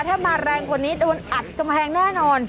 ถ้ามาแรงกว่านี้โดนอัดกำแพงแน่นอน